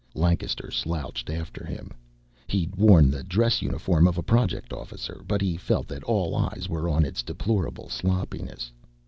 Lancaster slouched after him. He'd worn the dress uniform of a Project officer, but he felt that all eyes were on its deplorable sloppiness.